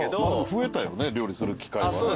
増えたよね料理する機会はね。